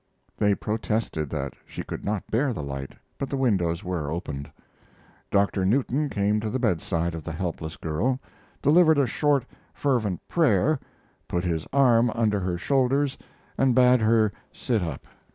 They protested that she could not bear the light, but the windows were opened. Doctor Newton came to the bedside of the helpless girl, delivered a short, fervent prayer, put his arm under her shoulders, and bade her sit up.